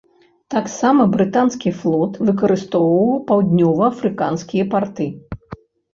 Таксама брытанскі флот выкарыстоўваў паўднева-афрыканскія парты.